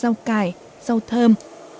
rau cải rau thơm